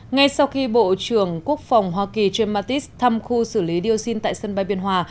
ngay sau khi bộ trưởng quốc phòng hoa kỳ jam mattis thăm khu xử lý dioxin tại sân bay biên hòa